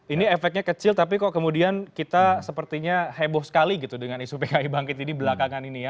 ini efeknya kecil tapi kok kemudian kita sepertinya heboh sekali gitu dengan isu pki bangkit ini belakangan ini ya